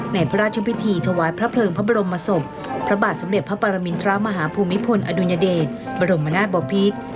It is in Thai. ในพระราชพิธีถวายพระเพลิงพระบรมศพพระบาทสมเด็จพระปรมินทรมาฮภูมิพลอดุญเดชบรมนาศบพิษ